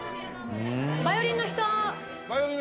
ヴァイオリンの人？